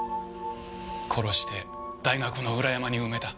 殺して大学の裏山に埋めた。